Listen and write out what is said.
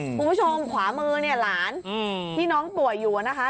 คุณผู้ชมขวามือเนี่ยหลานที่น้องป่วยอยู่นะคะ